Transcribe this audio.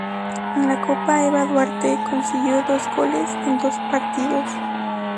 En la Copa Eva Duarte, consiguió dos goles en dos partidos.